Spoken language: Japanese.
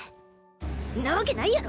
んなわけないやろ！